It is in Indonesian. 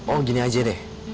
oh gini aja deh